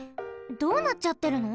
どうなっちゃってるの？